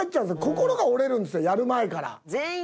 心が折れるんですよやる前から。